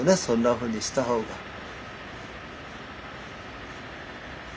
そんなふうにした方が。